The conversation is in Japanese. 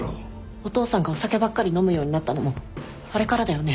お父さんがお酒ばっかり飲むようになったのもあれからだよね？